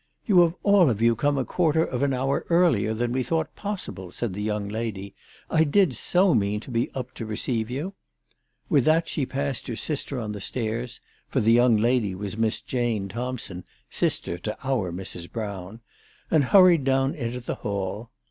" You have all of you come a quarter of an hour earlier than we thought possible," said the young lady. " I did so mean to be up to receive you !" With that she passed her sister on the stairs, for the young lady was Miss Jane Thompson, sister to our Mrs. Brown, and hurried down into the hall.